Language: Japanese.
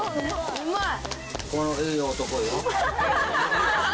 うまい！